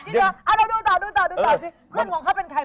ดูต่อดูต่อซิเพื่อนของเขาเป็นใคร